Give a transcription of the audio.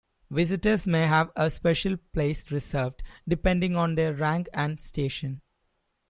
Visitors may have a special place reserved, depending on their rank and station.